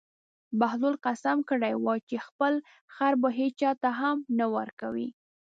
بهلول قسم کړی و چې خپل خر به هېچا ته هم نه ورکوي.